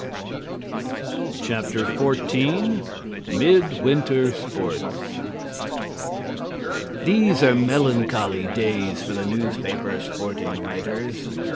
XIV MID WINTER SPORTS These are melancholy days for the newspaper sporting writers.